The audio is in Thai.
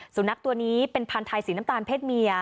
สุนัขตัวนี้เป็นพันธุ์ไทยสีน้ำตาลเพศเมีย